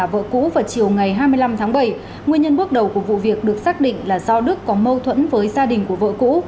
vợ cũ vào chiều ngày hai mươi năm tháng bảy nguyên nhân bước đầu của vụ việc được xác định là do đức có mâu thuẫn với gia đình của vợ cũ